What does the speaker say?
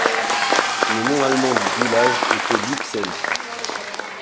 Le nom allemand du village était Liebsen.